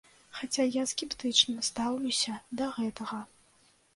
Хаця я скептычна стаўлюся да гэтага.